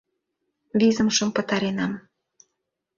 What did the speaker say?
Визымшым пытаренам.